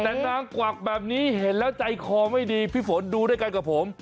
แต่นางกวักแบบนี้เห็นแล้วใจคอไม่ดีพี่ฝนดูด้วยกันกับผม